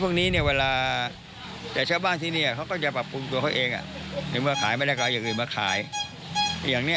พวกนี้เนี่ยเวลาแต่ชาวบ้านที่นี่เขาก็จะปรับปรุงตัวเขาเองในเมื่อขายไม่ได้ก็เอาอย่างอื่นมาขายอย่างนี้